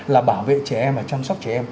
là bảo vệ trẻ em và chăm sóc trẻ em